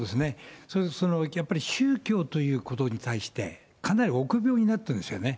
やっぱり宗教ということに対して、かなり臆病になってるんですよね。